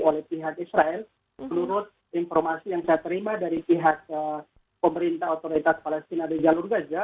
oleh pihak israel menurut informasi yang saya terima dari pihak pemerintah otoritas palestina di jalur gaza